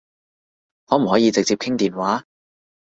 可唔可以直接傾電話？